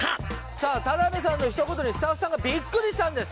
さあ田辺さんの一言にスタッフさんがビックリしたんです